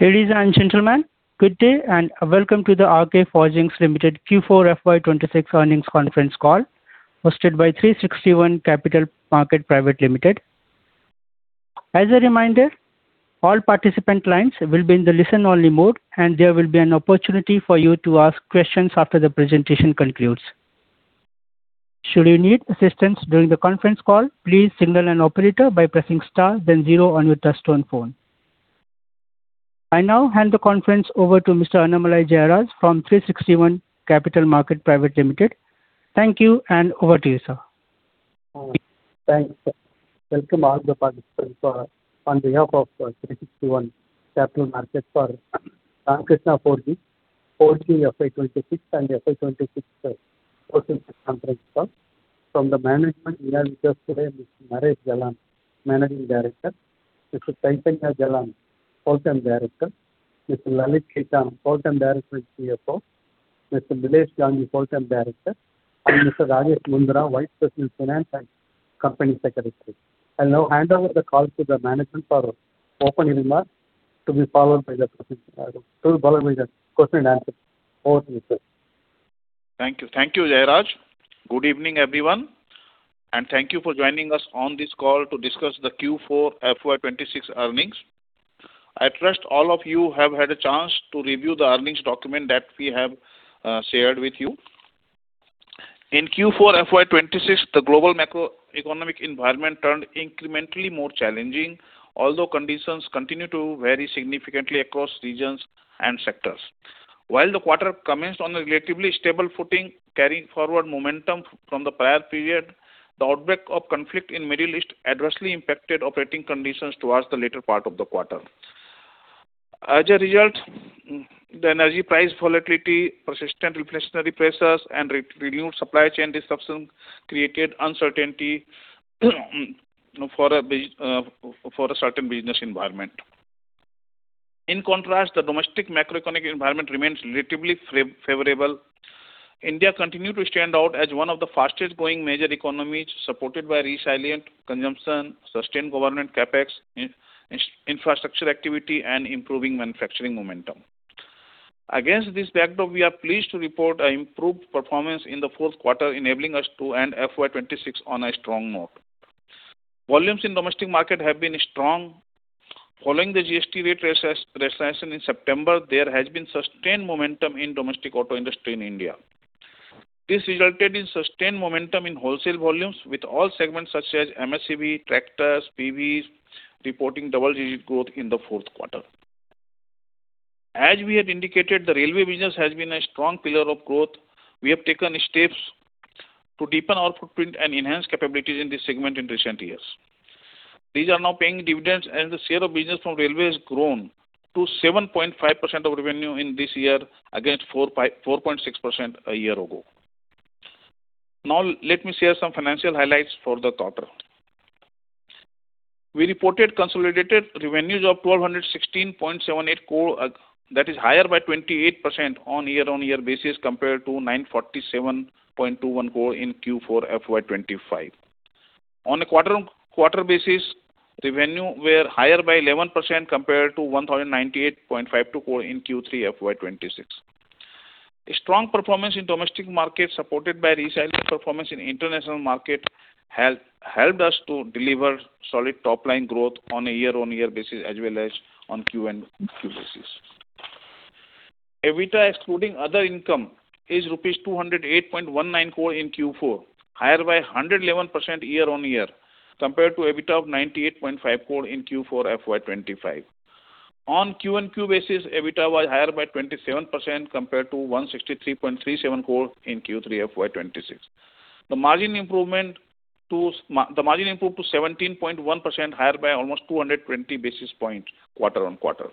Ladies and gentlemen, good day and welcome to the RK Forgings Limited Q4 FY 2026 earnings conference call hosted by 360 ONE Capital Market Private Limited. As a reminder, all participant lines will be in the listen-only mode, and there will be an opportunity for you to ask questions after the presentation concludes. Should you need assistance during the conference call, please signal an operator by pressing star then zero on your touch-tone phone. I now hand the conference over to Mr. Annamalai Jayaraj from 360 ONE Capital Market Private Limited. Thank you, and over to you, sir. Thanks. Welcome all the participants on behalf of 360 ONE Capital Market for Ramkrishna Forgings Q4 FY 2026 and FY 2026 earnings conference call. From the management we have with us today Mr. Naresh Jalan, Managing Director; Mr. Chaitanya Jalan, Whole-Time Director; Mr. Lalit Khetan, Whole-Time Director and CFO; Mr. Milesh Gandhi, Whole-Time Director; and Mr. Rajesh Mundra, Vice President, Finance and Company Secretary. I'll now hand over the call to the management for opening remarks to be followed by the question-and-answer. Over to you, sir. Thank you. Thank you, Jayaraj. Good evening, everyone, and thank you for joining us on this call to discuss the Q4 FY 2026 earnings. I trust all of you have had a chance to review the earnings document that we have shared with you. In Q4 FY 2026, the global macroeconomic environment turned incrementally more challenging, although conditions continue to vary significantly across regions and sectors. While the quarter commenced on a relatively stable footing, carrying forward momentum from the prior period, the outbreak of conflict in Middle East adversely impacted operating conditions towards the later part of the quarter. As a result, the energy price volatility, persistent inflationary pressures, and renewed supply chain disruption created uncertainty for a certain business environment. In contrast, the domestic macroeconomic environment remains relatively favorable. India continue to stand out as one of the fastest-growing major economies supported by resilient consumption, sustained government CapEx, infrastructure activity, and improving manufacturing momentum. Against this backdrop, we are pleased to report an improved performance in the fourth quarter, enabling us to end FY 2026 on a strong note. Volumes in domestic market have been strong. Following the GST rate recession in September, there has been sustained momentum in domestic auto industry in India. This resulted in sustained momentum in wholesale volumes with all segments such as M&HCV, tractors, PVs reporting double-digit growth in the fourth quarter. As we had indicated, the Railway business has been a strong pillar of growth. We have taken steps to deepen our footprint and enhance capabilities in this segment in recent years. These are now paying dividends. The share of business from Railway has grown to 7.5% of revenue in this year against 4.6% a year ago. Now let me share some financial highlights for the quarter. We reported consolidated revenues of 1,216.78 crore that is higher by 28% on year-on-year basis compared to 947.21 crore in Q4 FY 2025. On a quarter-quarter basis, revenue were higher by 11% compared to 1,098.52 crore in Q3 FY 2026. A strong performance in domestic market supported by resilient performance in international market helped us to deliver solid top-line growth on a year-on-year basis as well as on Q-on-Q basis. EBITDA excluding other income is rupees 208.19 crore in Q4, higher by 111% year-on-year compared to EBITDA of 98.5 crore in Q4 FY 2025. On quarter-on-quarter basis, EBITDA was higher by 27% compared to 163.37 crore in Q3 FY 2026. The margin improved to 17.1%, higher by almost 220 basis points quarter-on-quarter.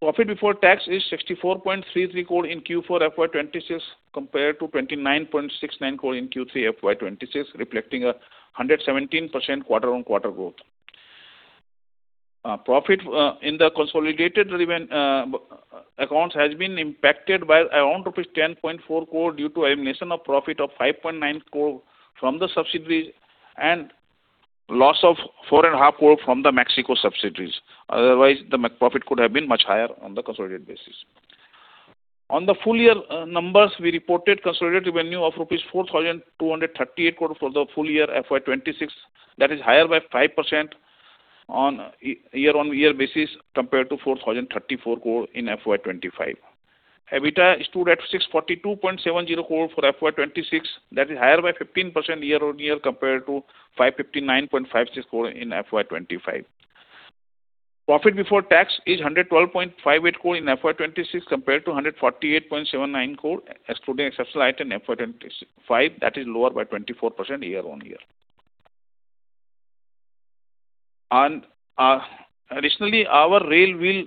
Profit before tax is 64.33 crore in Q4 FY 2026 compared to 29.69 crore in Q3 FY 2026, reflecting 117% quarter-on-quarter growth. Profit in the consolidated accounts has been impacted by around rupees 10.4 crore due to elimination of profit of 5.9 crore from the subsidiaries and loss of 4.5 crore from the Mexico subsidiaries. Otherwise, the profit could have been much higher on the consolidated basis. On the full-year numbers, we reported consolidated revenue of rupees 4,238 crore for the full year FY 2026. That is higher by 5% on year-on-year basis compared to 4,034 crore in FY 2025. EBITDA stood at 642.70 crore for FY 2026. That is higher by 15% year-on-year compared to 559.56 crore in FY 2025. Profit before tax is 112.58 crore in FY 2026 compared to 148.79 crore excluding exceptional item in FY 2025. That is lower by 24% year-on-year. Additionally, our Rail Wheel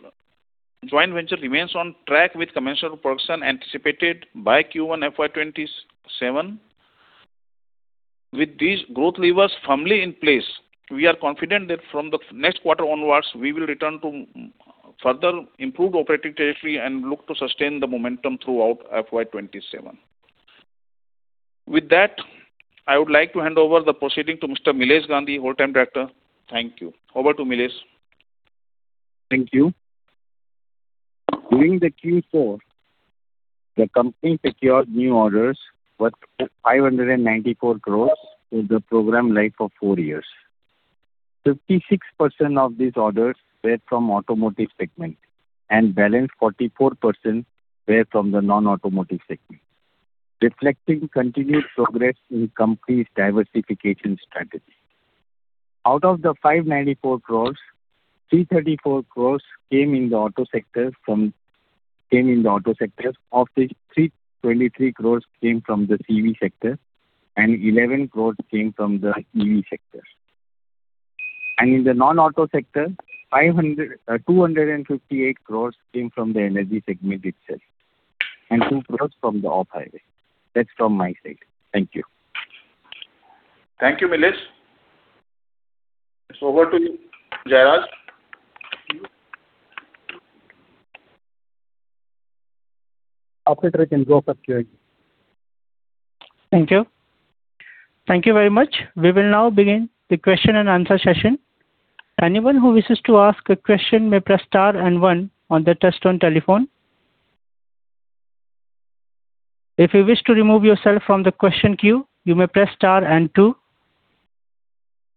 joint venture remains on track with commercial production anticipated by Q1 FY 2027. With these growth levers firmly in place, we are confident that from the next quarter onwards, we will return to further improve operating territory and look to sustain the momentum throughout FY 2027. With that, I would like to hand over the proceeding to Mr. Milesh Gandhi, Whole-time Director. Thank you. Over to Milesh. Thank you. During the Q4, the company secured new orders worth 594 crore with the program life of four years. 56% of these orders were from Automotive segment. Balance 44% were from the Non-Automotive segment, reflecting continued progress in company's diversification strategy. Out of the 594 crore, 334 crore came in the Auto sector. Of which 323 crore came from the CV sector. 11 crore came from the EV sector. In the Non-Auto sector, 258 crore came from the energy segment itself. 2 crore from the off-highway. That's from my side. Thank you. Thank you, Milesh. It's over to you, Jayaraj. Operator can go for Q&A. Thank you. Thank you very much. We will now begin the question-and-answer session. Anyone who wishes to ask a question may press star and one on the touch-tone telephone. If you wish to remove yourself from the question queue, you may press star and two.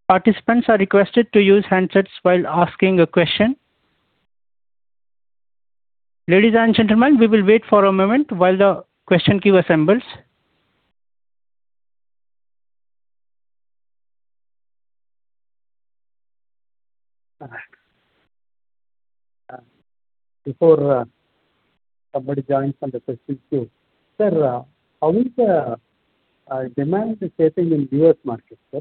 Participants are requested to use handsets while asking a question. Ladies and gentlemen, we will wait for a moment while the question queue assembles. Before, somebody joins on the question queue. Sir, how is the demand shaping in U.S. market, sir?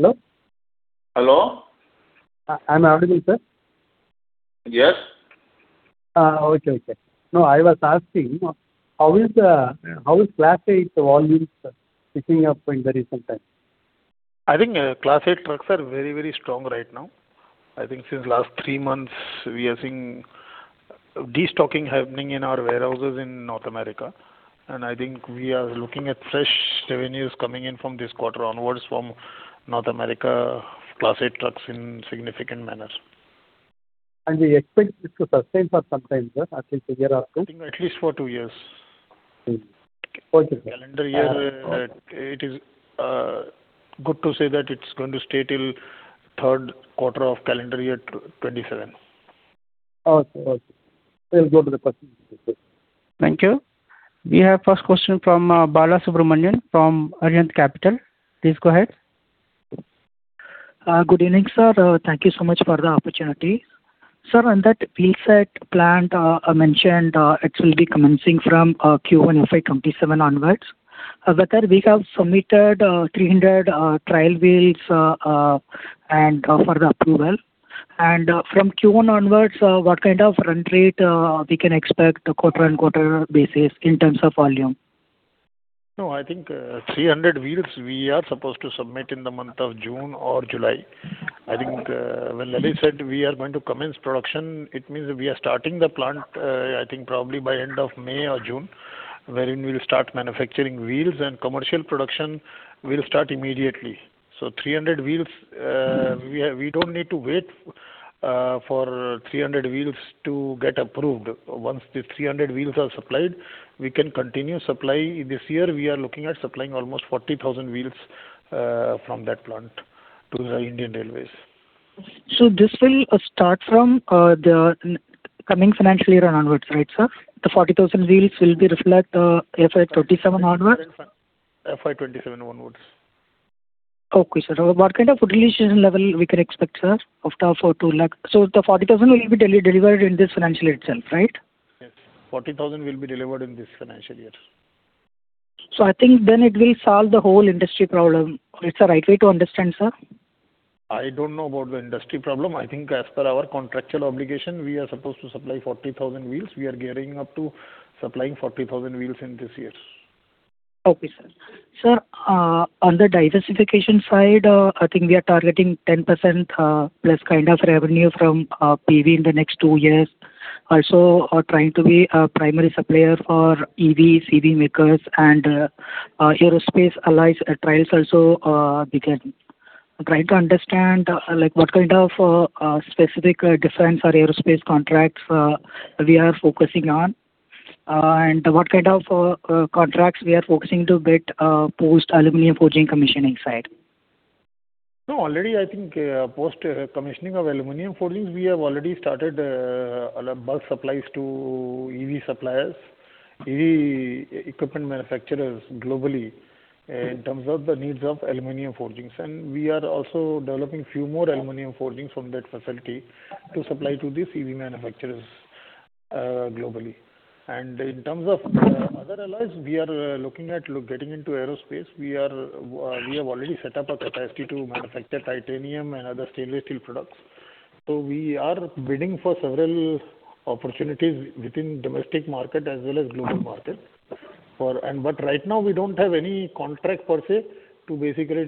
Hello? Hello. I'm audible, sir? Yes. Okay. I was asking, how is Class 8 volumes picking up in the recent times? I think, Class 8 trucks are very strong right now. I think since last three months we are seeing destocking happening in our warehouses in North America. I think we are looking at fresh revenues coming in from this quarter onwards from North America Class 8 trucks in significant manners. We expect this to sustain for some time, sir, at least a year or two? I think at least for two years. Mm. Okay. Calendar year, it is good to say that it's going to stay till third quarter of calendar year 2027. Okay. Okay. We'll go to the questions. Thank you. We have first question from Balasubramanian from Arihant Capital. Please go ahead. Good evening, sir. Thank you so much for the opportunity. Sir, on that wheel set plant mentioned, it will be commencing from Q1 FY 2027 onwards. Whether we have submitted 300 trial wheels for the approval. From Q1 onwards, what kind of run rate we can expect quarter-on-quarter basis in terms of volume? No, I think, 300 wheels we are supposed to submit in the month of June or July. I think, when Lalit said we are going to commence production, it means we are starting the plant, I think probably by end of May or June, wherein we will start manufacturing wheels and commercial production will start immediately. So 300 wheels, we don't need to wait, for 300 wheels to get approved. Once the 300 wheels are supplied, we can continue supply. This year we are looking at supplying almost 40,000 wheels, from that plant to the Indian Railways. This will start from the coming financial year and onwards, right, sir? The 40,000 wheels will be reflect FY 2027 onwards. FY 2027 onwards. Okay, sir. What kind of utilization level we can expect, sir, of the 4.2 lakh? The 40,000 will be delivered in this financial year itself, right? Yes. 40,000 will be delivered in this financial year. I think then it will solve the whole industry problem. It's the right way to understand, sir? I don't know about the industry problem. I think as per our contractual obligation, we are supposed to supply 40,000 wheels. We are gearing up to supplying 40,000 wheels in this year. Okay, sir. Sir, on the diversification side, I think we are targeting 10%+ kind of revenue from PV in the next two years. Also are trying to be a primary supplier for EV, CV makers and aerospace alloys trials also began. I'm trying to understand, like what kind of specific defense or aerospace contracts we are focusing on? What kind of contracts we are focusing to get post aluminum forging commissioning side? No, already I think, post commissioning of aluminum forgings, we have already started bulk supplies to EV suppliers, EV equipment manufacturers globally in terms of the needs of aluminum forgings. We are also developing few more aluminum forgings from that facility to supply to these EV manufacturers globally. In terms of other alloys, we are looking at getting into aerospace. We are, we have already set up a capacity to manufacture titanium and other stainless steel products. We are bidding for several opportunities within domestic market as well as global market for. Right now we don't have any contract per se to basically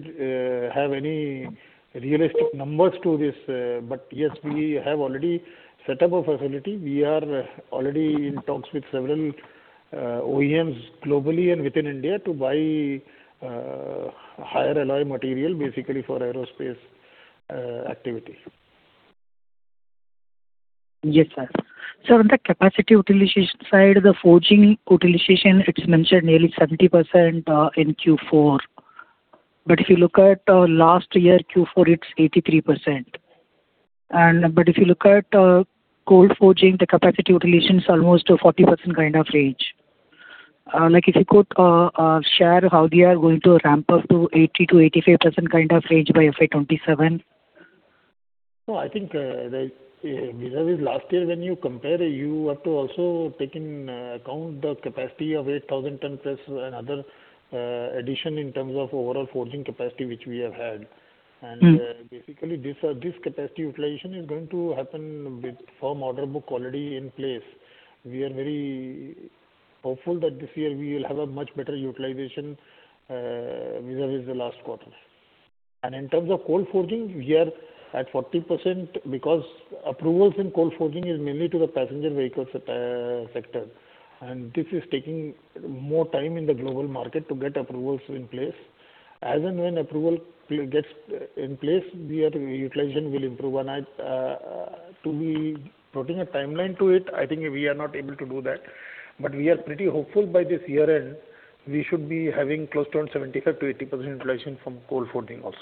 have any realistic numbers to this. Yes, we have already set up a facility. We are already in talks with several OEMs globally and within India to buy higher alloy material basically for aerospace activities. Yes, sir. Sir, on the capacity utilization side, the forging utilization, it's mentioned nearly 70% in Q4. If you look at last year Q4, it's 83%. If you look at cold forging, the capacity utilization is almost 40% kind of range. Like, if you could share how we are going to ramp up to 80%-85% kind of range by FY 2027. No, I think, the, vis-à-vis last year when you compare, you have to also take in account the capacity of 8,000 ton plus and other addition in terms of overall forging capacity which we have had. Mm-hmm. Basically this capacity utilization is going to happen with firm order book already in place. We are very hopeful that this year we will have a much better utilization vis-à-vis the last quarter. In terms of cold forging, we are at 40% because approvals in cold forging is mainly to the Passenger Vehicle sector, and this is taking more time in the global market to get approvals in place. As and when approval gets in place, we are, utilization will improve. I, to be putting a timeline to it, I think we are not able to do that. We are pretty hopeful by this year-end, we should be having close to around 75%-80% utilization from cold forging also.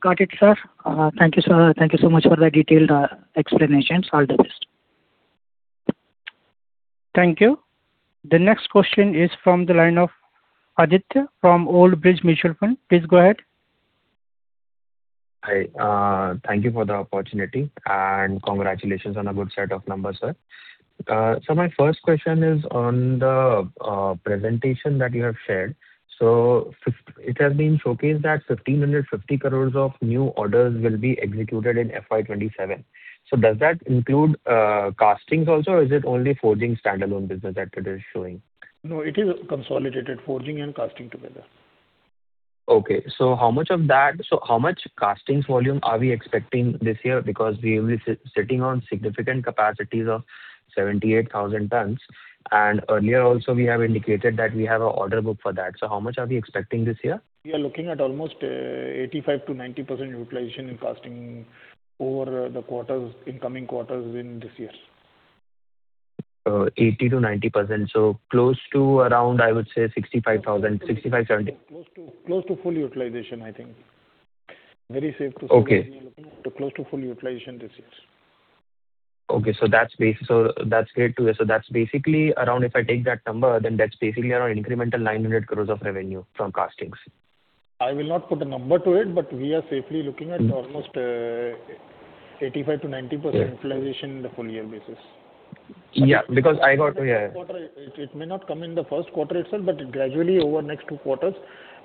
Got it, sir. Thank you, sir. Thank you so much for the detailed explanations. All the best. Thank you. The next question is from the line of Aditya from Old Bridge Mutual Fund. Please go ahead. Hi. Thank you for the opportunity, and congratulations on a good set of numbers, sir. My first question is on the presentation that you have shared. It has been showcased that 1,550 crore of new orders will be executed in FY 2027. Does that include castings also or is it only forging standalone business that it is showing? No, it is consolidated forging and casting together. Okay. How much castings volume are we expecting this year? We will be sitting on significant capacities of 78,000 tons. Earlier also we have indicated that we have an order book for that. How much are we expecting this year? We are looking at almost, 85%-90% utilization in casting over the quarters, in coming quarters in this year. 80%-90%. close to around, I would say 65,000 tons, 65,000 tons, 70,000 tons. Close to full utilization, I think. Very safe to say. Okay We are looking at close to full utilization this year. Okay. That's great to hear. That's basically around, if I take that number, then that's basically around incremental 900 crore of revenue from castings. I will not put a number to it, but we are safely looking at almost 85%-90%- Yeah... utilization in the full-year basis. Yeah, because I got, yeah. First quarter, it may not come in the first quarter itself, gradually over next two quarters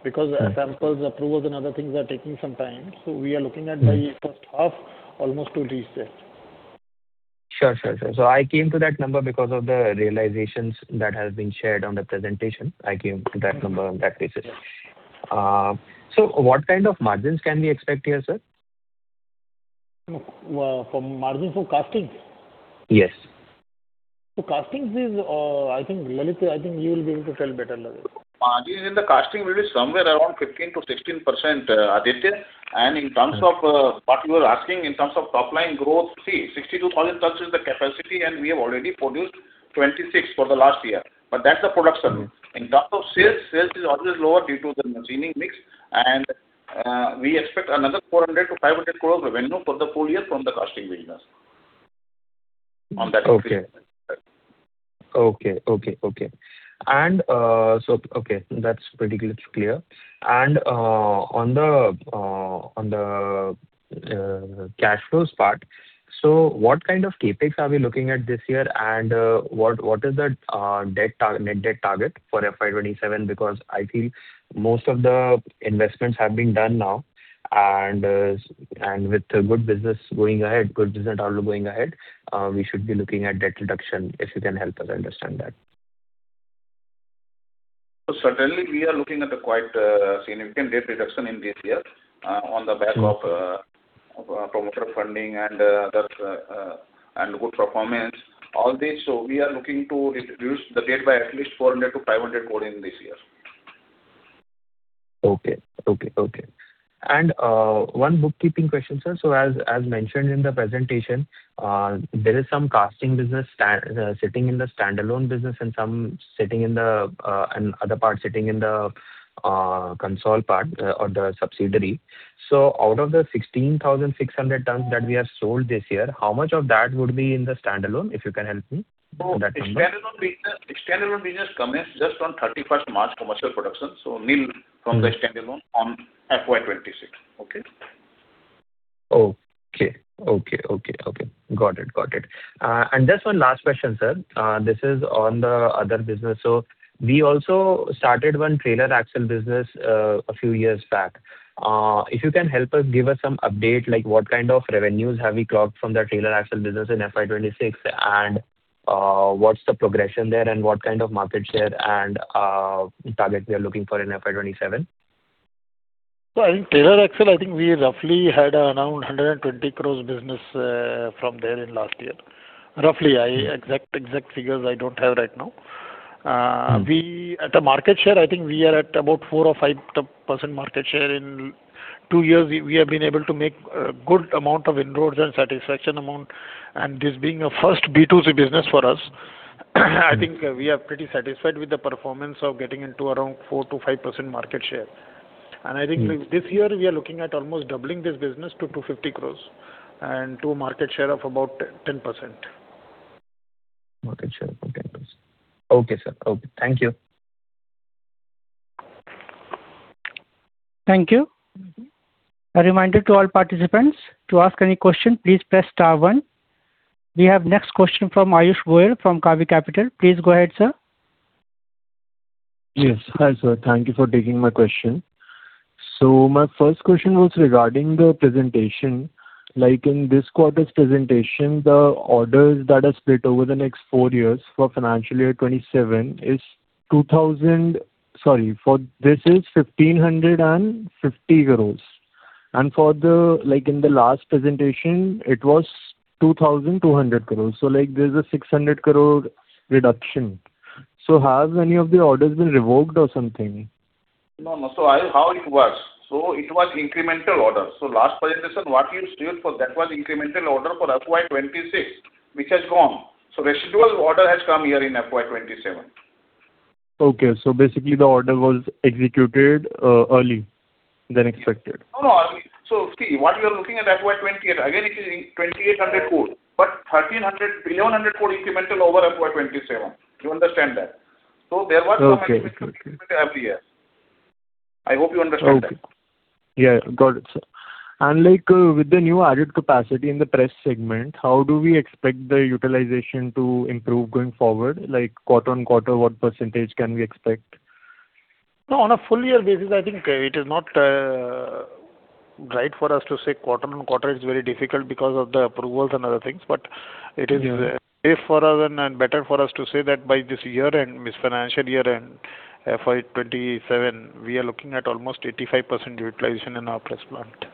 because samples, approvals and other things are taking some time. We are looking at by first half almost to reach there. Sure. I came to that number because of the realizations that have been shared on the presentation. I came to that number on that basis. Yeah. What kind of margins can we expect here, sir? No. from margin for casting? Yes. Castings is, I think, Lalit, I think you will be able to tell better, Lalit. Margins in the casting will be somewhere around 15%-16%, Aditya. In terms of what you are asking in terms of top-line growth, see 62,000 tons is the capacity, and we have already produced 26,000 tons for the last year, but that's the production. In terms of sales is always lower due to the machining mix, we expect another 400 crore-500 crore revenue for the full year from the casting business on that. Okay. Okay. Okay. Okay. That's pretty clear. On the cash flows part, what kind of CapEx are we looking at this year, and what is the net debt target for FY 2027? I feel most of the investments have been done now with the good business going ahead, good business model going ahead, we should be looking at debt reduction, if you can help us understand that. Certainly we are looking at a quite significant debt reduction in this year on the back of promoter funding and that and good performance, all this. We are looking to reduce the debt by at least 400 crore-500 crore in this year. Okay. Okay. Okay. One bookkeeping question, sir. As mentioned in the presentation, there is some casting business sitting in the standalone business and some sitting in the and other part sitting in the console part or the subsidiary. Out of the 16,600 tons that we have sold this year, how much of that would be in the standalone, if you can help me with that number? Standalone business commenced just on March 31st commercial production. Nil from the standalone on FY 2026. Okay. Okay. Okay. Got it. Just one last question, sir. This is on the other business. We also started one trailer axle business a few years back. If you can help us give us some update, like what kind of revenues have we clocked from the trailer axle business in FY 2026 and what's the progression there and what kind of market share and target we are looking for in FY 2027? I think trailer axle, we roughly had around 120 crore business from there in last year. Roughly, exact figures I don't have right now. Mm-hmm. At the market share, I think we are at about 4% or 5% market share. In two years, we have been able to make a good amount of inroads and satisfaction amount. This being a first B2C business for us, I think we are pretty satisfied with the performance of getting into around 4%-5% market share. Mm-hmm. This year we are looking at almost doubling this business to 250 crore and to a market share of about 10%. Market share of 10%. Okay, sir. Okay. Thank you. Thank you. A reminder to all participants, to ask any question, please press star one. We have next question from Ayush Goyal from CAVI Capital. Please go ahead, sir. Yes. Hi, sir. Thank you for taking my question. My first question was regarding the presentation. Like in this quarter's presentation, the orders that are split over the next four years for FY 2027 is 1,550 crore. For the, like, in the last presentation it was 2,200 crore. Like, there's an 600 crore reduction. Have any of the orders been revoked or something? No, no. Ayush, how it works, it was incremental order. Last presentation, what you stated for that was incremental order for FY 2026, which has gone. Residual order has come here in FY 2027. Okay. Basically the order was executed, earlier than expected. No, no, early. See, what you are looking at FY 2028, again, it is in 2,800 crore. 1,300, 1,100 crore incremental over FY 2027. Do you understand that? Okay. Okay. Incremental every year. I hope you understand that? Okay. Yeah, got it, sir. Like, with the new added capacity in the press segment, how do we expect the utilization to improve going forward? Like quarter-on-quarter, what percentage can we expect? No, on a full-year basis, I think, it is not right for us to say quarter-on-quarter. It's very difficult because of the approvals and other things- Yeah. ...safe for us and better for us to say that by this year end, this financial year end, FY 2027, we are looking at almost 85% utilization in our press plant.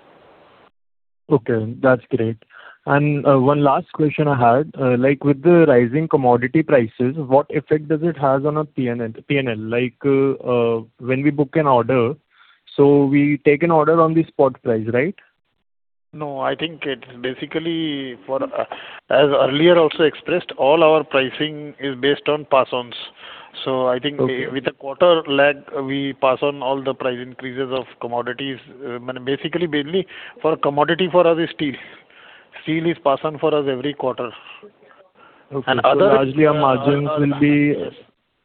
Okay, that's great. One last question I had. Like with the rising commodity prices, what effect does it have on our P&L? Like when we book an order, we take an order on the spot price, right? No, I think it basically for, as earlier also expressed, all our pricing is based on pass-ons. Okay. With a quarter lag we pass on all the price increases of commodities. Basically mainly for a commodity for us is steel. Steel is pass-on for us every quarter. Okay. Other....Largely our margins will be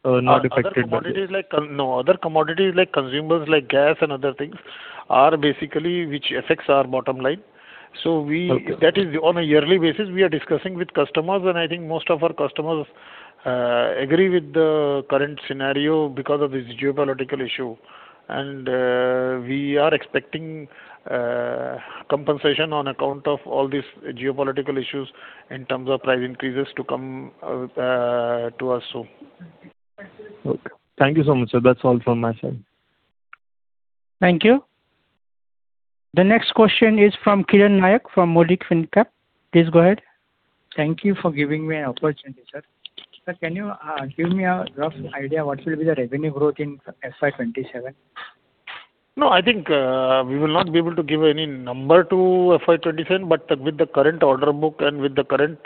not affected by this. Other commodities like consumables like gas and other things are basically which affects our bottom line. Okay. That is on a yearly basis we are discussing with customers and I think most of our customers agree with the current scenario because of this geopolitical issue. We are expecting compensation on account of all these geopolitical issues in terms of price increases to come to us soon. Okay. Thank you so much, sir. That's all from my side. Thank you. The next question is from [Kiran Nayak] from Mody Fincap. Please go ahead. Thank you for giving me an opportunity, sir. Sir, can you give me a rough idea what will be the revenue growth in FY 2027? No, I think, we will not be able to give any number to FY 2027, but with the current order book and with the current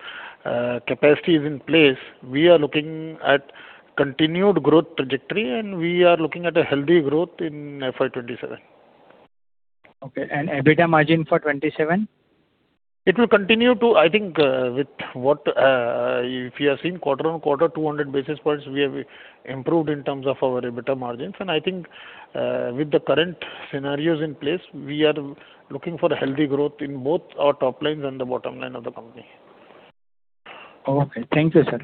capacities in place, we are looking at continued growth trajectory and we are looking at a healthy growth in FY 2027. Okay. EBITDA margin for 2027? It will continue to, I think, with what, if you have seen quarter-over-quarter 200 basis points we have improved in terms of our EBITDA margins. I think, with the current scenarios in place we are looking for a healthy growth in both our top line and the bottom line of the company. Okay. Thank you, sir.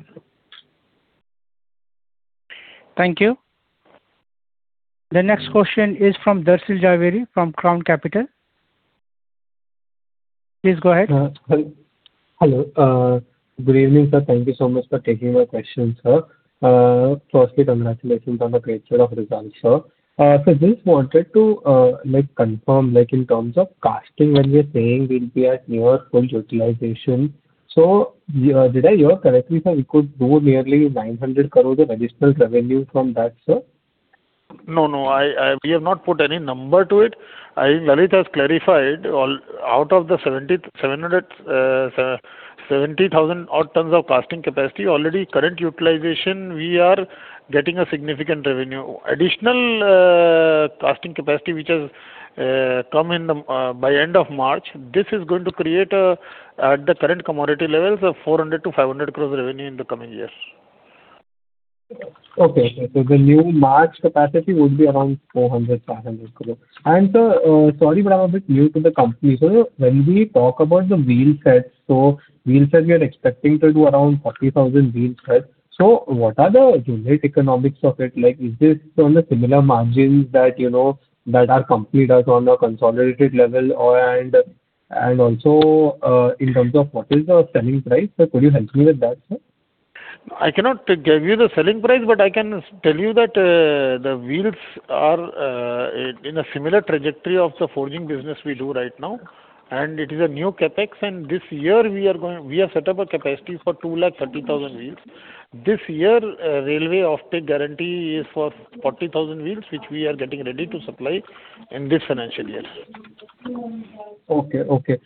Thank you. The next question is from Darshil Jhaveri from Crown Capital. Please go ahead. Hello. Good evening, sir. Thank you so much for taking my question, sir. Firstly congratulations on the great set of results, sir. Just wanted to, like confirm, like in terms of casting when you're saying we'll be at near full utilization. Did I hear correctly, sir, we could do nearly 900 crore of additional revenue from that, sir? No, no. I, we have not put any number to it. I think Lalit has clarified all, out of the 70,000 odd tons of casting capacity already current utilization we are getting a significant revenue. Additional casting capacity which has come in by end of March, this is going to create a.. At the current commodity levels, an 400 crore-500 crore revenue in the coming years. Okay. The new March capacity would be around 400 crore-500 crore. Sir, sorry, but I'm a bit new to the company. When we talk about the wheel sets, wheel sets we are expecting to do around 40,000 wheel sets. What are the unit economics of it? Like, is this on the similar margins that, you know, that our company does on a consolidated level? Also, in terms of what is the selling price? Sir, could you help me with that, sir? I cannot give you the selling price, but I can tell you that, the wheels are in a similar trajectory of the forging business we do right now, and it is a new CapEx. This year we have set up a capacity for 230,000 wheels. This year, Railway offtake guarantee is for 40,000 wheels, which we are getting ready to supply in this financial year. Okay. Okay.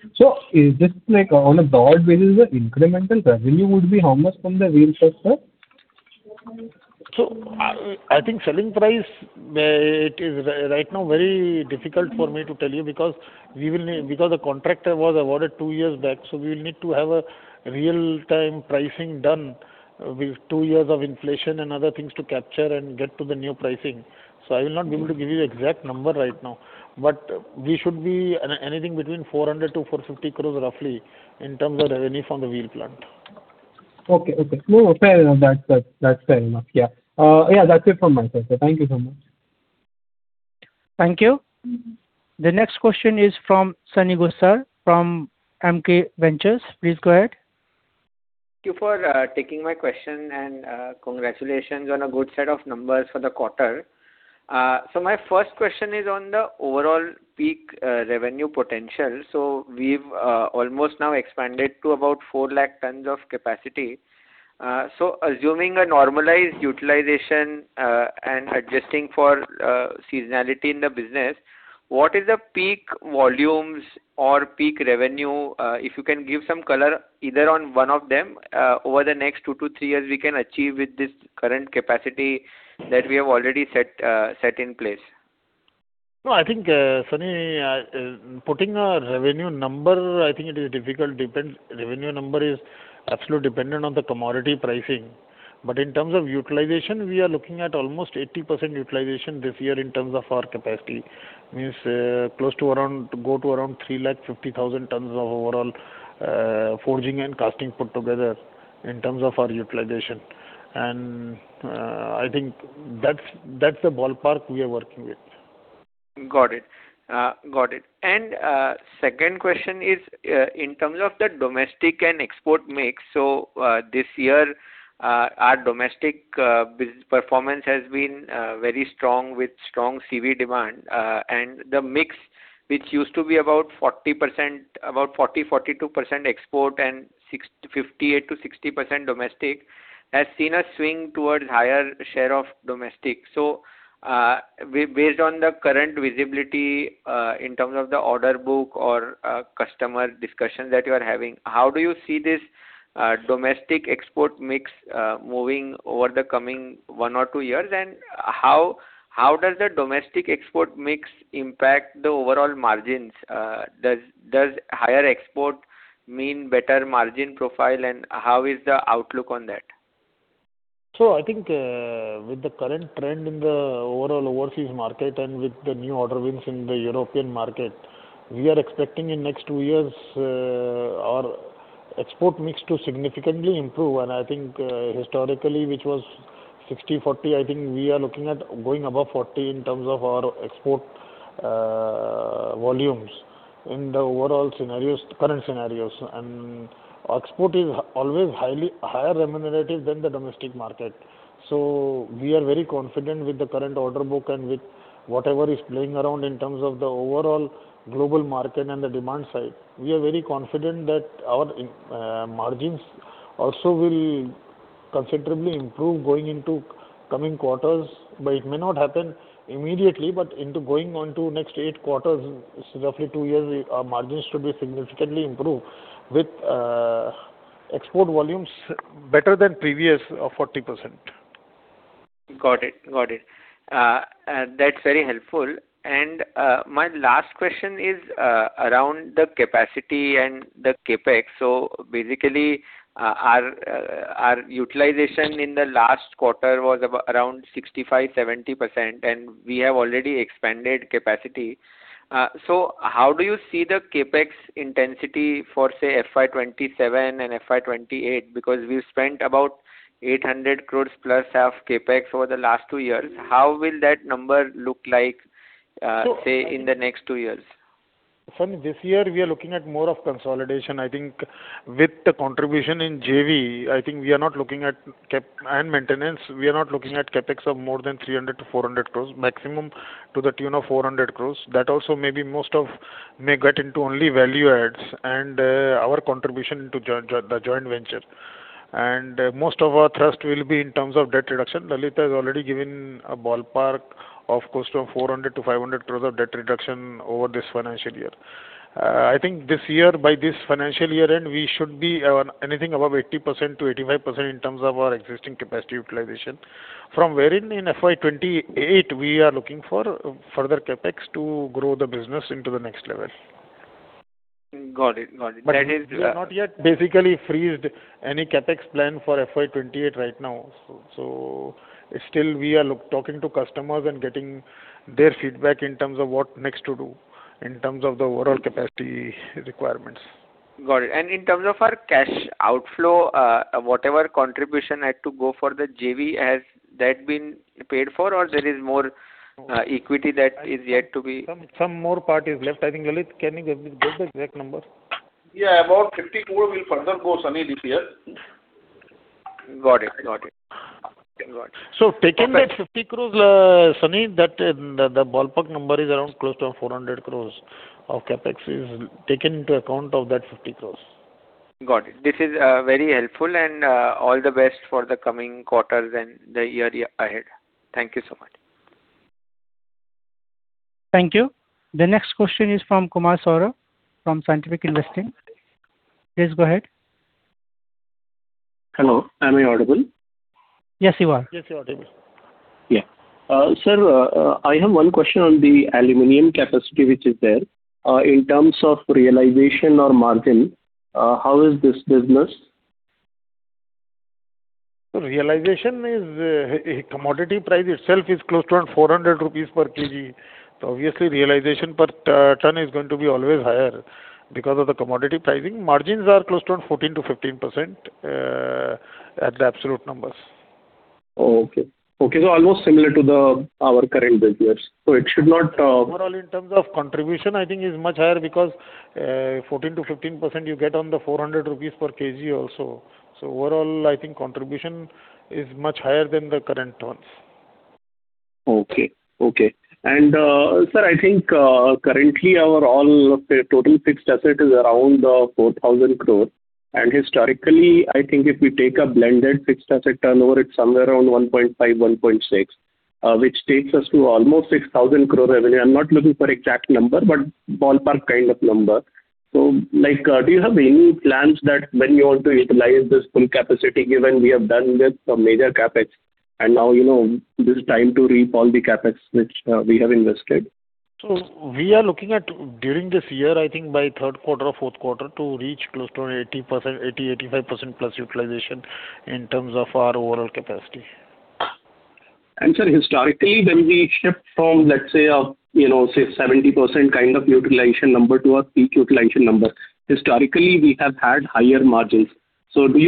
Is this like on a dot basis, the incremental revenue would be how much from the wheel sets, sir? I think selling price, it is right now very difficult for me to tell you because we will need because the contract was awarded two years back. We will need to have a real time pricing done with two years of inflation and other things to capture and get to the new pricing. I will not be able to give you the exact number right now, but we should be anything between 400 crore-450 crore roughly in terms of revenue from the wheel plant. Okay. No, fair enough. That's fair enough. Yeah. That's it from my side, sir. Thank you so much. Thank you. The next question is from Sunny Gosar from MK Ventures. Please go ahead. Thank you for taking my question and congratulations on a good set of numbers for the quarter. My first question is on the overall peak revenue potential. We've almost now expanded to about 4 lakh tons of capacity. Assuming a normalized utilization and adjusting for seasonality in the business, what is the peak volumes or peak revenue? If you can give some color either on one of them over the next two to three years we can achieve with this current capacity that we have already set in place. No, I think Sunny, putting a revenue number, I think it is difficult. Depends. Revenue number is absolute dependent on the commodity pricing. In terms of utilization, we are looking at almost 80% utilization this year in terms of our capacity. Means, close to around 350,000 tons of overall forging and casting put together in terms of our utilization. I think that's the ballpark we are working with. Got it. Got it. Second question is, in terms of the domestic and export mix. This year, our domestic business performance has been very strong with strong CV demand. The mix, which used to be about 40%, about 40%-42% export and 58%-60% domestic, has seen a swing towards higher share of domestic. Based on the current visibility, in terms of the order book or customer discussions that you are having, how do you see this domestic export mix moving over the coming one or two years? How does the domestic export mix impact the overall margins? Does higher export mean better margin profile, and how is the outlook on that? I think, with the current trend in the overall overseas market and with the new order wins in the European market, we are expecting in next two years, our export mix to significantly improve. I think, historically, which was 60/40, I think we are looking at going above 40% in terms of our export volumes in the overall scenarios, current scenarios. Our export is always higher remunerative than the domestic market. We are very confident with the current order book and with whatever is playing around in terms of the overall global market and the demand side. We are very confident that our margins also will considerably improve going into coming quarters. It may not happen immediately. Into going on to next eight quarters, roughly two years, our margins should be significantly improved with export volumes better than previous 40%. Got it. Got it. That's very helpful. My last question is around the capacity and the CapEx. Basically, our utilization in the last quarter was around 65%-70%, and we have already expanded capacity. How do you see the CapEx intensity for, say, FY 2027 and FY 2028? We've spent about 800 crore plus of CapEx over the last two years. How will that number look like, say, in the next two years? Sunny, this year we are looking at more of consolidation. I think with the contribution in JV, we are not looking at maintenance, we are not looking at CapEx of more than 300 crore-400 crore, maximum to the tune of 400 crore. That also maybe most of may get into only value adds and our contribution to the joint venture. Most of our thrust will be in terms of debt reduction. Lalit has already given a ballpark of close to 400 crore-500 crore of debt reduction over this financial year. I think this year, by this financial year-end, we should be anything above 80%-85% in terms of our existing capacity utilization. From wherein in FY 2028 we are looking for further CapEx to grow the business into the next level. Got it. Got it. We have not yet basically frozen any CapEx plan for FY 2028 right now. Still we are talking to customers and getting their feedback in terms of what next to do in terms of the overall capacity requirements. Got it. In terms of our cash outflow, whatever contribution had to go for the JV, has that been paid for or there is more equity that is yet to be paid? Some more part is left. I think, Lalit, can you give the exact number? Yeah, about 50 crore will further go, Sunny, this year. Got it. Taking that 50 crore, Sunny, that, the ballpark number is around close to 400 crore of CapEx is taken into account of that 50 crore. Got it. This is very helpful, and all the best for the coming quarters and the year ahead. Thank you so much. Thank you. The next question is from Kumar Saurabh from Scientific Investing. Please go ahead. Hello, am I audible? Yes, you are. Yes, you're audible. Sir, I have one question on the aluminum capacity which is there. In terms of realization or margin, how is this business? Realization is a commodity price itself is close to around 400 rupees per kg. Obviously realization per ton is going to be always higher because of the commodity pricing. Margins are close to around 14%-15% at the absolute numbers. Okay. Okay, almost similar to our current business. Overall, in terms of contribution, I think is much higher because, 14%-15% you get on the 400 rupees per kg also. Overall, I think contribution is much higher than the current ones. Okay. Okay. Sir, I think, currently our all total fixed asset is around 4,000 crore. Historically, I think if we take a blended fixed asset turnover, it's somewhere around 1.5-1.6, which takes us to almost 6,000 crore revenue. I'm not looking for exact number, but ballpark kind of number. Like, do you have any plans that when you want to utilize this full capacity, given we have done with some major CapEx and now, you know, this is time to reap all the CapEx which we have invested? We are looking at during this year, I think by third quarter or fourth quarter to reach close to 80%-85% plus utilization in terms of our overall capacity. Sir, historically, when we shift from, let's say, you know, say 70% kind of utilization number to a peak utilization number, historically we have had higher margins. I know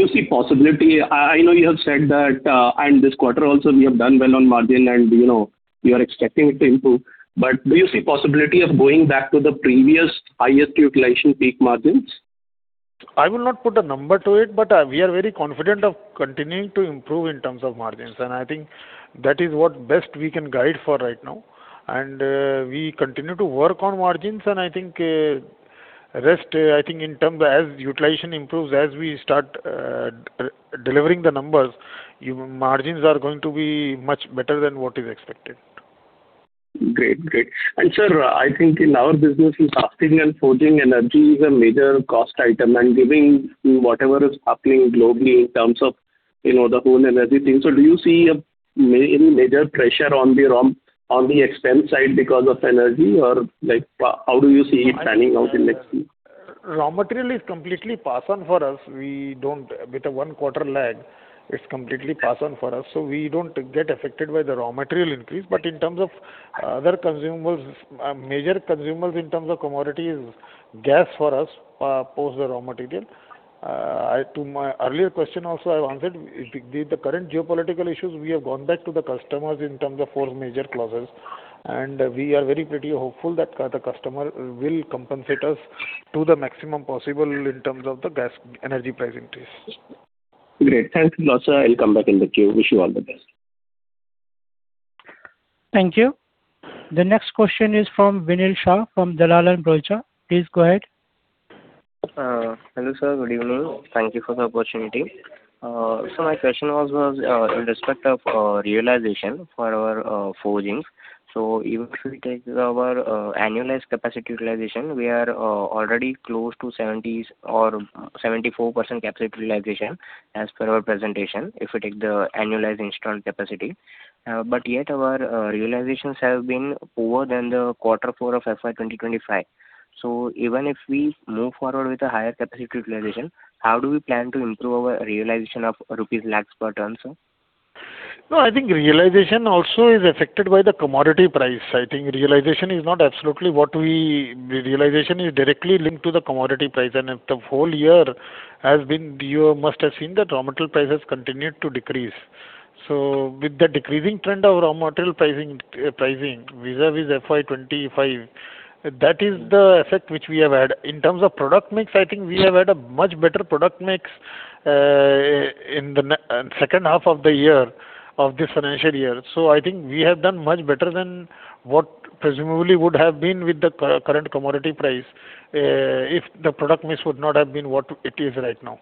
you have said that, and this quarter also we have done well on margin and, you know, you are expecting it to improve. Do you see possibility of going back to the previous highest utilization peak margins? I will not put a number to it, but, we are very confident of continuing to improve in terms of margins. I think that is what best we can guide for right now. We continue to work on margins, and I think, rest, I think in terms as utilization improves, as we start, delivering the numbers, margins are going to be much better than what is expected. Great. Great. Sir, I think in our business casting and forging energy is a major cost item and giving whatever is happening globally in terms of, you know, the whole energy thing. Do you see any major pressure on the expense side because of energy or like, how do you see it panning out in next few-? Raw material is completely pass on for us. With a one quarter lag, it's completely pass on for us, so we don't get affected by the raw material increase. In terms of other consumers, major consumers in terms of commodity is gas for us, post the raw material. To my earlier question also I answered. With the current geopolitical issues, we have gone back to the customers in terms of force majeure clauses, and we are very pretty hopeful that the customer will compensate us to the maximum possible in terms of the gas energy price increase. Great. Thank you a lot, sir. I'll come back in the queue. Wish you all the best. Thank you. The next question is from Vinil Shah from Dalal & Broacha. Please go ahead. Hello sir, good evening. Thank you for the opportunity. My question was in respect of realization for our forgings. Even if we take our annualized capacity utilization, we are already close to 70% or 74% capacity realization as per our presentation, if we take the annualized installed capacity. Yet our realizations have been lower than the Q4 of FY 2025. Even if we move forward with a higher capacity utilization, how do we plan to improve our realization of rupees lakhs per ton, sir? I think realization also is affected by the commodity price. I think realization is not absolutely. Realization is directly linked to the commodity price. If the whole year has been, you must have seen that raw material prices continued to decrease. With the decreasing trend of raw material pricing vis-a-vis FY 2025, that is the effect which we have had. In terms of product mix, I think we have had a much better product mix in the second half of the year of this financial year. I think we have done much better than what presumably would have been with the current commodity price if the product mix would not have been what it is right now.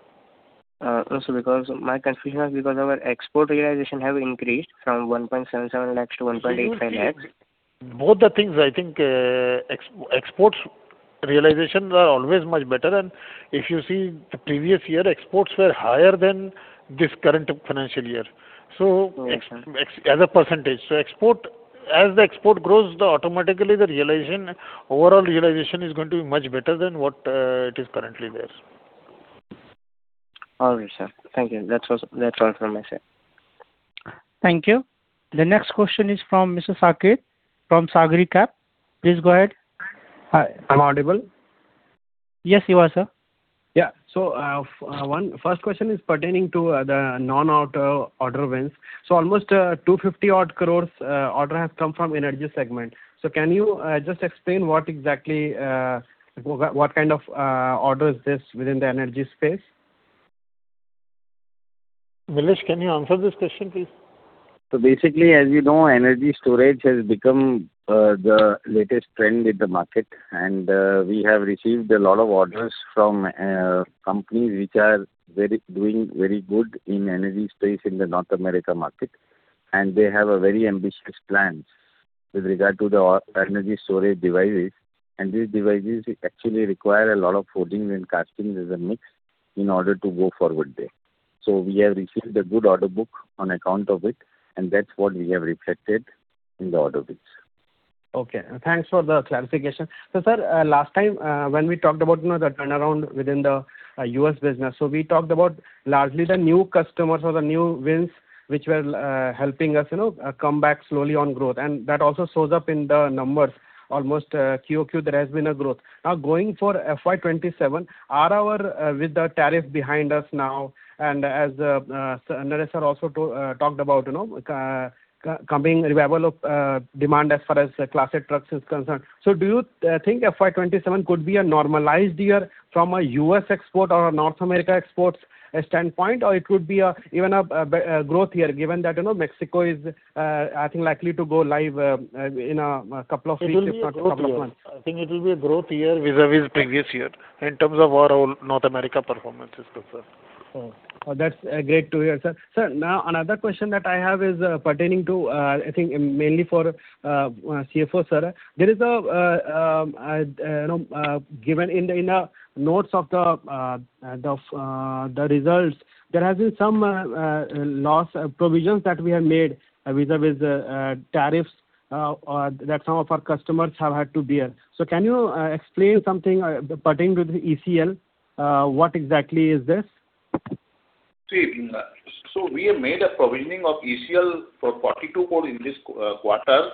No sir, because my confusion was because our export realization have increased from 1.77 lakh to 1.85 lakh. Both the things, I think, exports realization are always much better. If you see the previous year, exports were higher than this current financial year. As a percentage. As the export grows, automatically the realization, overall realization is going to be much better than what it is currently there. All right, sir. Thank you. That's all from my side. Thank you. The next question is from Mr. [Saket] from Sabre Cap. Please go ahead. Hi. Am I audible? Yes, you are, sir. Yeah. First question is pertaining to the Non-Auto order wins. Almost 250 odd crore order have come from energy segment. Can you just explain what exactly, like, what kind of order is this within the energy space? Milesh, can you answer this question, please? Basically, as you know, energy storage has become the latest trend in the market, and we have received a lot of orders from companies which are doing very good in energy space in the North America market. They have a very ambitious plans with regard to the energy storage devices, and these devices actually require a lot of forging and casting as a mix in order to go forward there. We have received a good order book on account of it, and that's what we have reflected in the order books. Okay. Thanks for the clarification. Sir, last time, when we talked about, you know, the turnaround within the U.S. business, we talked about largely the new customers or the new wins which were helping us, you know, come back slowly on growth. That also shows up in the numbers. Almost, QoQ there has been a growth. Going for FY 2027, are our, with the tariff behind us now, and as Naresh sir also talked about, you know, coming revival of demand as far as classic trucks is concerned. Do you think FY 2027 could be a normalized year from a U.S. export or a North America exports standpoint? It could be a, even a growth year, given that, you know, Mexico is I think likely to go live in two weeks, if not two months. It will be a growth year. I think it will be a growth year vis-a-vis previous year in terms of our own North America performance as per se. That's great to hear, sir. Sir, another question that I have is pertaining to, I think mainly for CFO sir. There is a, you know, given in the notes of the results, there has been some loss provisions that we have made vis-a-vis tariffs that some of our customers have had to bear. Can you explain something pertaining to the ECL? What exactly is this? See, we have made a provisioning of ECL for 42 crore in this quarter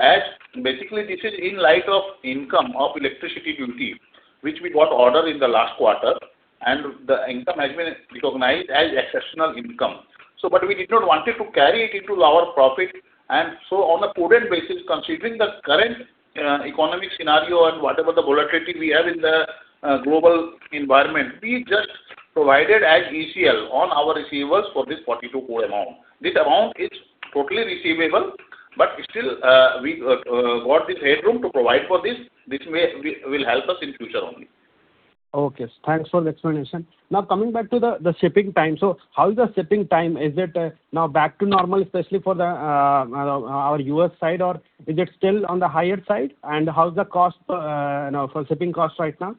as basically this is in light of income of electricity duty, which we got order in the last quarter, and the income has been recognized as exceptional income. We did not wanted to carry it into our profit. On a prudent basis, considering the current economic scenario and whatever the volatility we have in the global environment, we just provided as ECL on our receivables for this 42 crore amount. This amount is totally receivable, still, we got this headroom to provide for this. This will help us in future only. Okay. Thanks for the explanation. Coming back to the shipping time. How is the shipping time? Is it now back to normal, especially for the U.S. side, or is it still on the higher side? How is the cost, you know, for shipping cost right now?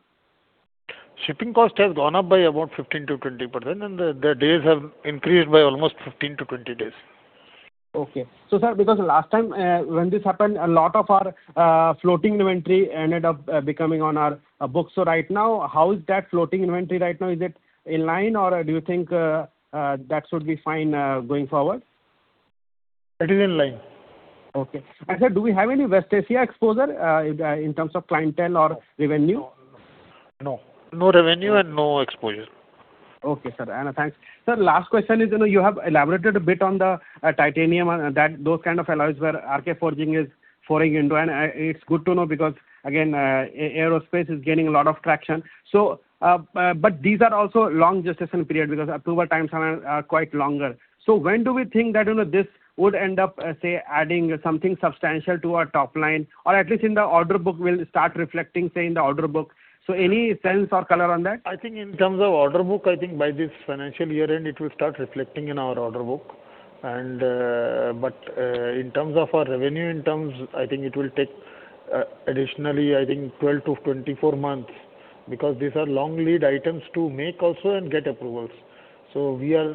Shipping cost has gone up by about 15%-20%, and the days have increased by almost 15-20 days. Okay. Sir, because last time, when this happened, a lot of our floating inventory ended up becoming on our books. Right now, how is that floating inventory right now? Is it in line, or do you think that should be fine going forward? It is in line. Okay. sir, do we have any West Asia exposure in terms of clientele or revenue? No. No revenue and no exposure. Okay, sir. Thanks. Sir, last question is, you know, you have elaborated a bit on the titanium and that, those kind of alloys where RK Forging is foraying into. It's good to know because again, aerospace is gaining a lot of traction. But these are also long gestation period because approval times are quite longer. When do we think that, you know, this would end up, say, adding something substantial to our top line, or at least in the order book will start reflecting, say, in the order book? Any sense or color on that? I think in terms of order book, I think by this financial year end it will start reflecting in our order book. In terms of our revenue in terms, I think it will take additionally, I think 12-24 months, because these are long lead items to make also and get approvals. We are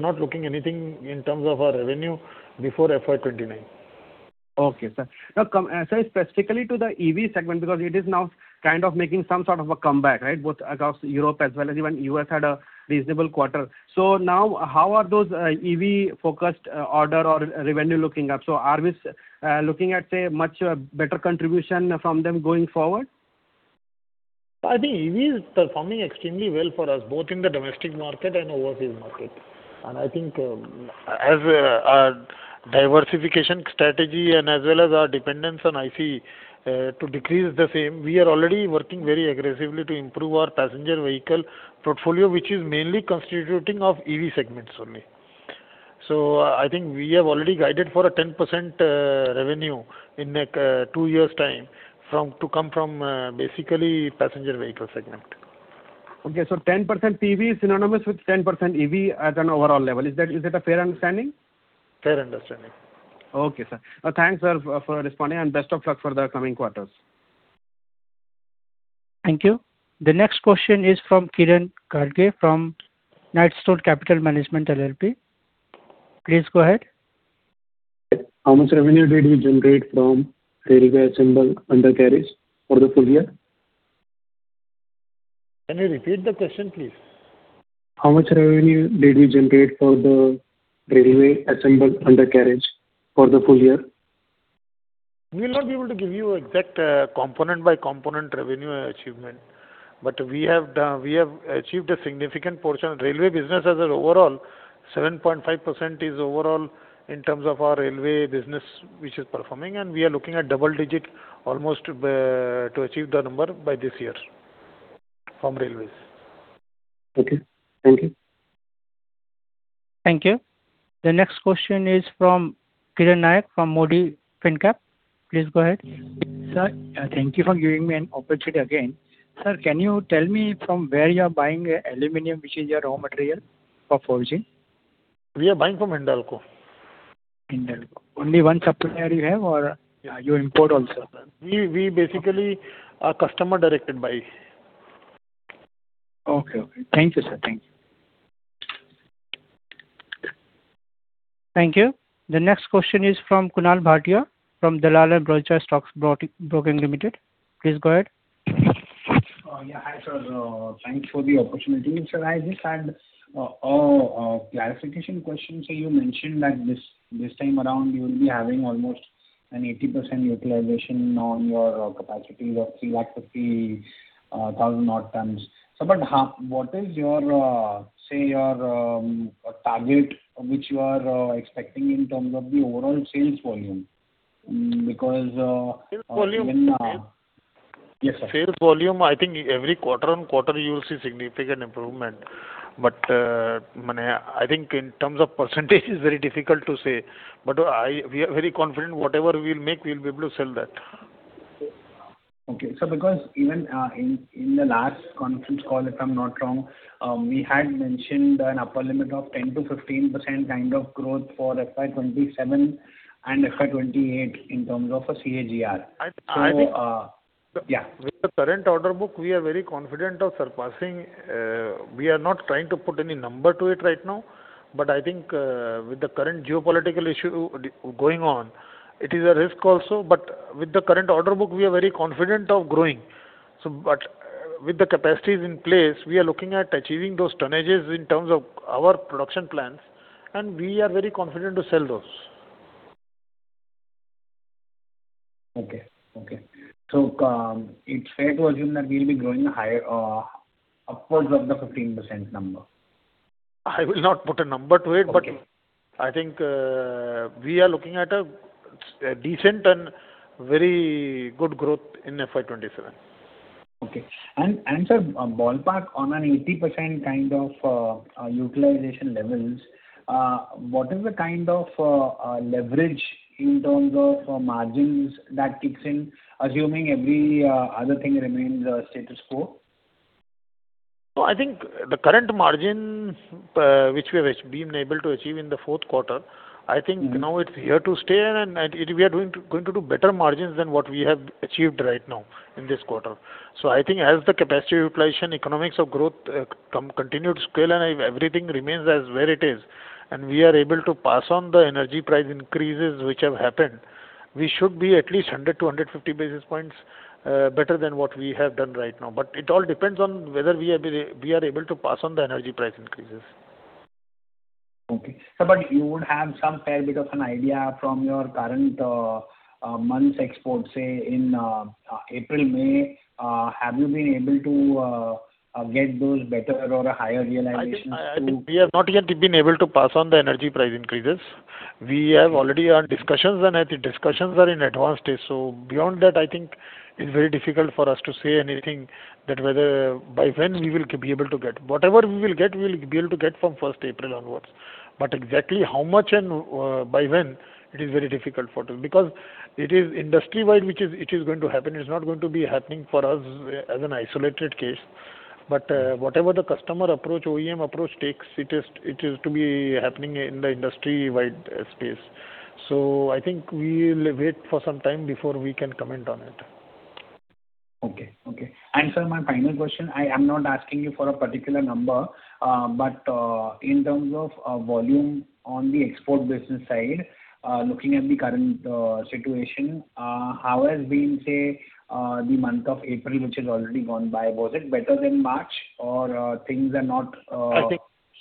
not looking anything in terms of our revenue before FY 2029. Okay, sir. Now come, sir, specifically to the EV segment, because it is now kind of making some sort of a comeback, right? Both across Europe as well as even U.S. had a reasonable quarter. Now how are those EV focused order or revenue looking up? Are we looking at, say, much better contribution from them going forward? I think EV is performing extremely well for us, both in the domestic market and overseas market. I think, as our diversification strategy and as well as our dependence on ICE, to decrease the same, we are already working very aggressively to improve our Passenger Vehicles portfolio, which is mainly constituting of EV segments only. I think we have already guided for a 10% revenue in two years' time from, to come from, basically Passenger Vehicles segment. Okay. 10% PV is synonymous with 10% EV at an overall level. Is that a fair understanding? Fair understanding. Okay, sir. Thanks, sir, for responding, and best of luck for the coming quarters. Thank you. The next question is from Kiran Gadge from Knightstone Capital Management LLP. Please go ahead. How much revenue did you generate from railway assembled undercarriage for the full year? Can you repeat the question, please? How much revenue did you generate for the railway assembled undercarriage for the full year? We will not be able to give you exact, component-by-component revenue achievement. We have achieved a significant portion of Railway business as an overall. 7.5% is overall in terms of our Railway business, which is performing, and we are looking at double-digit almost to achieve the number by this year from railways. Okay. Thank you. Thank you. The next question is from [Kiran Nayak] from Mody Fincap. Please go ahead. Sir, thank you for giving me an opportunity again. Sir, can you tell me from where you are buying aluminum, which is your raw material for forging? We are buying from Hindalco. Hindalco. Only one supplier you have or you import also? We basically are customer-directed buyer. Okay, okay. Thank you, sir. Thank you. Thank you. The next question is from Kunal Bhatia from Dalal & Broacha Stock Broking Limited. Please go ahead. Yeah. Hi, sir. Thanks for the opportunity. Sir, I just had a clarification question. You mentioned that this time around you will be having almost an 80% utilization on your capacities of 350,000 odd tons. But what is your target which you are expecting in terms of the overall sales volume? Because Sales volume. Yes, sir. Sales volume, I think every quarter-on-quarter you will see significant improvement. I think in terms of percentage is very difficult to say. We are very confident whatever we'll make, we'll be able to sell that. Okay. Because even in the last conference call, if I'm not wrong, we had mentioned an upper limit of 10%-15% kind of growth for FY 2027 and FY 2028 in terms of a CAGR. Yeah. With the current order book, we are very confident of surpassing. We are not trying to put any number to it right now, but I think, with the current geopolitical issue going on, it is a risk also. With the current order book, we are very confident of growing. With the capacities in place, we are looking at achieving those tonnages in terms of our production plans, and we are very confident to sell those. Okay. Okay. It's fair to assume that we'll be growing higher, upwards of the 15% number. I will not put a number to it. Okay. I think, we are looking at a decent and very good growth in FY 2027. Okay. Sir, ballpark on an 80% kind of utilization levels, what is the kind of leverage in terms of margins that kicks in, assuming every other thing remains status quo? I think the current margin, which we have been able to achieve in the fourth quarter, I think now it's here to stay and we are going to do better margins than what we have achieved right now in this quarter. I think as the capacity utilization, economics of growth come continued scale and everything remains as where it is, and we are able to pass on the energy price increases which have happened, we should be at least 100 basis points-50 basis points better than what we have done right now. It all depends on whether we are able to pass on the energy price increases. Okay. Sir, you would have some fair bit of an idea from your current month's export, say, in April, May. Have you been able to get those better or higher realizations? I think we have not yet been able to pass on the energy price increases. We have already had discussions and the discussions are in advanced stage. Beyond that, I think it's very difficult for us to say anything that whether by when we will be able to get. Whatever we will get, we will be able to get from 1st April onwards. Exactly how much and by when, it is very difficult for us. Because it is industry-wide which is going to happen. It's not going to be happening for us as an isolated case. Whatever the customer approach, OEM approach takes, it is to be happening in the industry-wide space. I think we will wait for some time before we can comment on it. Okay. Okay. Sir, my final question, I am not asking you for a particular number, but in terms of volume on the export business side, looking at the current situation, how has been, say, the month of April, which has already gone by? Was it better than March or things are not?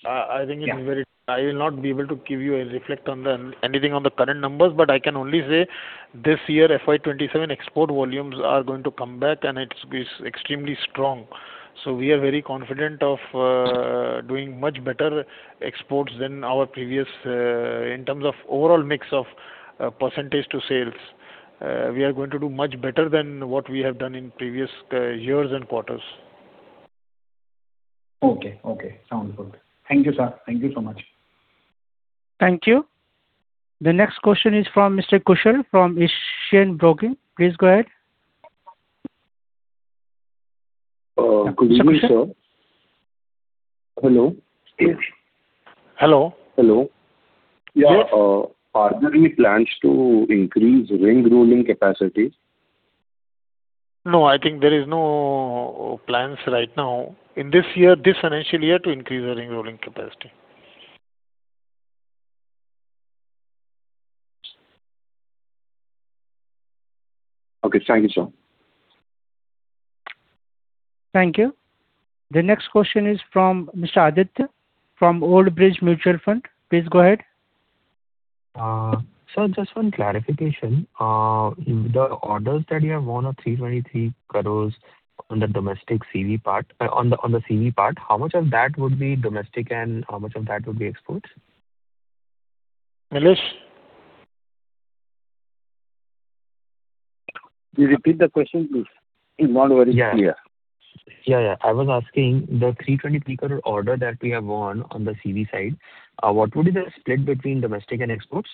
I think it's very- Yeah. I will not be able to give you a reflect on anything on the current numbers. I can only say this year, FY 2027 export volumes are going to come back and it is extremely strong. We are very confident of doing much better exports than our previous, in terms of overall mix of percentage to sales. We are going to do much better than what we have done in previous years and quarters. Okay. Okay. Sounds good. Thank you, sir. Thank you so much. Thank you. The next question is from Mr. Kushal from Asian Broking. Please go ahead. Good evening, sir. Hello. Yes. Hello. Hello. Yes. Yeah, are there any plans to increase ring rolling capacity? No, I think there is no plans right now in this year, this financial year, to increase our ring rolling capacity. Okay, thank you, sir. Thank you. The next question is from Mr. Aditya from Old Bridge Mutual Fund. Please go ahead. Sir, just one clarification. The orders that you have won of 323 crore on the domestic CV part, on the CV part, how much of that would be domestic and how much of that would be exports? Milesh? Can you repeat the question, please? It's not very clear. Yeah. Yeah, yeah. I was asking the 323 crore order that we have won on the CV side, what would be the split between domestic and exports?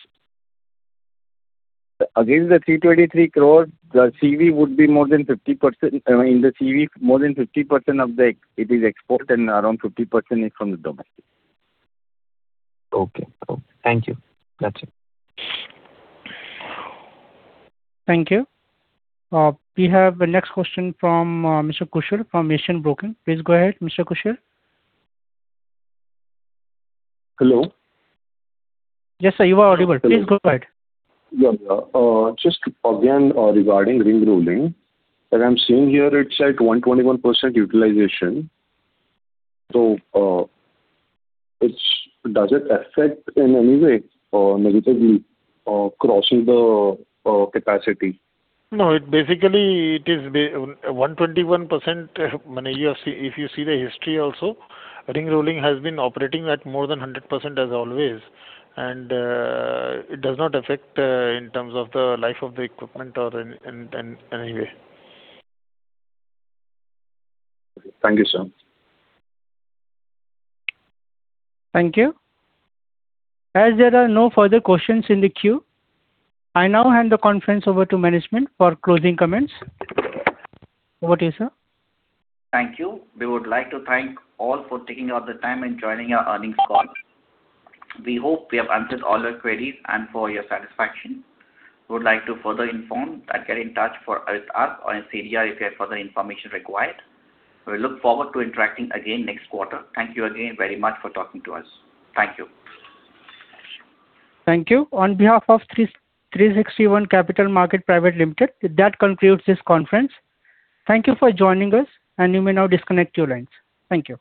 Against the 323 crore, the CV would be more than 50%. In the CV, more than 50% it is export and around 50% is from the domestic. Okay, cool. Thank you. That's it. Thank you. We have the next question from Mr. Kushal from Asian Broking. Please go ahead, Mr. Kushal. Hello. Yes, sir. You are audible. Please go ahead. Yeah, yeah. Just again, regarding ring rolling, as I'm seeing here it's at 121% utilization. Does it affect in any way negatively crossing the capacity? No, it basically it is 121%, I mean, you have if you see the history also, ring rolling has been operating at more than 100% as always, and, it does not affect, in terms of the life of the equipment or in any way. Thank you, sir. Thank you. As there are no further questions in the queue, I now hand the conference over to management for closing comments. Over to you, sir. Thank you. We would like to thank all for taking out the time and joining our earnings call. We hope we have answered all your queries and for your satisfaction. We would like to further inform and get in touch with us or [NCR] if you have further information required. We look forward to interacting again next quarter. Thank you again very much for talking to us. Thank you. Thank you. On behalf of 360 ONE Capital Market Private Limited, that concludes this conference. Thank you for joining us. You may now disconnect your lines. Thank you.